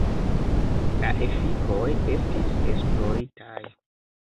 La efikoj estis esploritaj.